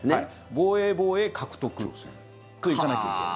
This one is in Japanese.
防衛、防衛、獲得と行かなきゃいけない。